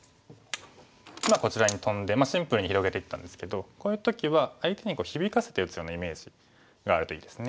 今こちらにトンでシンプルに広げていったんですけどこういう時は相手に響かせて打つようなイメージがあるといいですね。